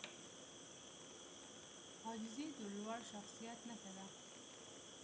عاجزي د لوړ شخصیت نښه ده.